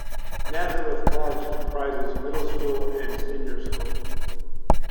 Nazareth College comprises a Middle School and Senior School.